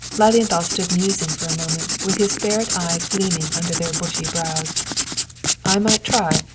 Lilienthal stood musing for a moment with his ferret eyes gleaming under their bushy brows. "I might try!